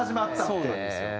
そうなんですよ。